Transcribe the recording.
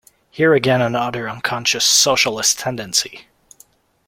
Here again another unconscious socialist tendency!